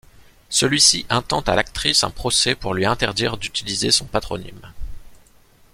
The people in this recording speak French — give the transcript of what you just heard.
Celui-ci intente à l'actrice un procès pour lui interdire d'utiliser son patronyme.